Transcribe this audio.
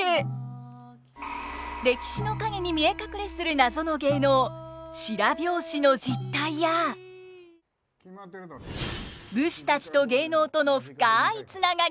歴史の陰に見え隠れする謎の芸能白拍子の実態や武士たちと芸能との深いつながりに迫ります。